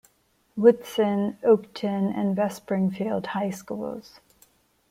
Woodson, Oakton, and West Springfield high schools.